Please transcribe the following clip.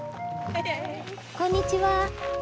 こんにちは。